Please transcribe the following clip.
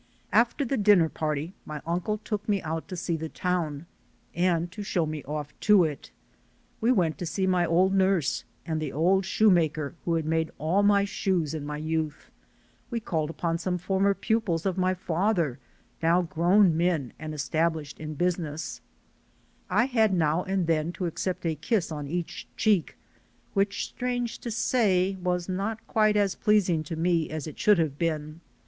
After the dinner party, my uncle took me out to see the town and to show me off to it. We went to sec my old nurse and the old shoemaker who had made all my shoes in my youth; we called upon some former pupils of my father, now grown men and established in business. 310THE SOUL OF AN IMMIGRANT I had now and then to accept a kiss on each cheek, which, strange to say, was not quite as pleasing to me as it should have been.